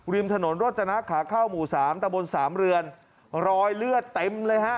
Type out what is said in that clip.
ริมถนนโรจนะขาเข้าหมู่สามตะบนสามเรือนรอยเลือดเต็มเลยฮะ